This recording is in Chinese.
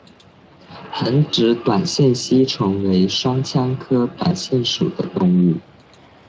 横殖短腺吸虫为双腔科短腺属的动物。